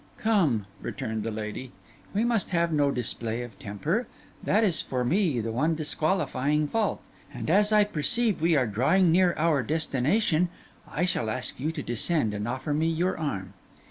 'Come,' returned the lady, 'we must have no display of temper; that is for me the one disqualifying fault; and as I perceive we are drawing near our destination, I shall ask you to descend and offer me your arm.